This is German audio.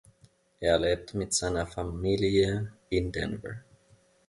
Er lebt mit seiner Familie in Denver.